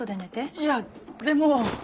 いやでも。